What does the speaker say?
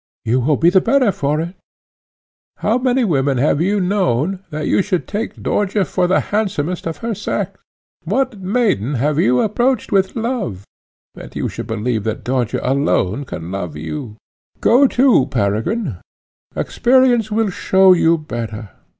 You will be the better for it. How many women have you known, that you should take Dörtje for the handsomest of her sex? What maiden have you approached with love, that you should believe that Dörtje alone can love you? Go to, Peregrine; experience will show you better.